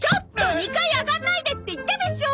２階上がんないでって言ったでしょう！